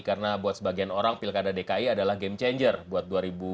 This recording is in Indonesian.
karena buat sebagian orang pilkada dki adalah game changer buat dua ribu sembilan belas